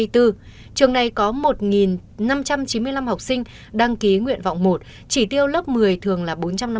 trường này có một năm trăm chín mươi năm học sinh đăng ký nguyện vọng một chỉ tiêu lớp một mươi thường là bốn trăm năm mươi